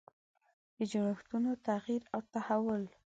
د جوړښتونو تغییر او تحول.